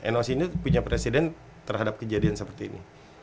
noc ini punya presiden terhadap kejadian seperti ini